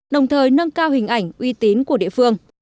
đồng thời nâng cao hình ảnh uy tín của địa phương